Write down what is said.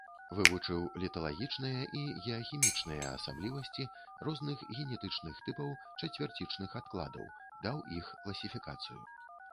Вывучыў літалагічныя і геахімічныя асаблівасці розных генетычных тыпаў чацвярцічных адкладаў, даў іх класіфікацыю.